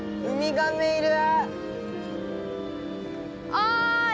おい！